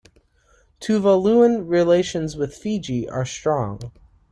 Tuvaluan relations with Fiji are strong.